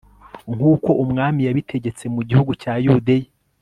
nk'uko umwami yabitegetse mu gihugu cya yudeya